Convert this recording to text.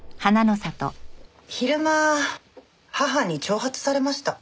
昼間母に挑発されました。